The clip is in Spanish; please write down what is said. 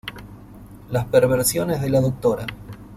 Las perversiones de la Dra.